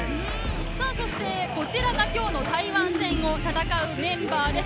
そしてこちらがきょうの台湾戦を戦うメンバーです。